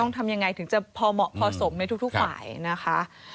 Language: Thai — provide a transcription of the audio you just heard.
ทำยังไงถึงจะพอเหมาะพอสมในทุกฝ่ายนะคะ